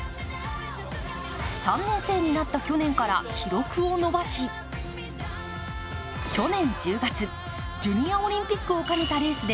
３年生になった去年から記録を伸ばし去年１０月、ジュニアオリンピックを兼ねたレースで